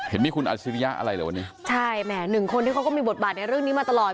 เห็นมีคุณอาชิริยะอะไรเหรอวันนี้ใช่แหมหนึ่งคนที่เขาก็มีบทบาทในเรื่องนี้มาตลอด